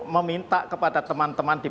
meminta kepada teman teman di